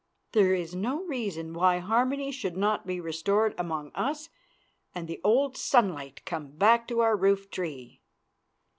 There is no reason why harmony should not be restored among us and the old sunlight come back to our roof tree.